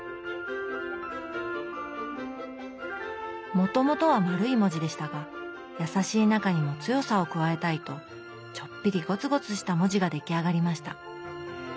もともとは丸い文字でしたが優しい中にも強さを加えたいとちょっぴりゴツゴツした文字が出来上がりました。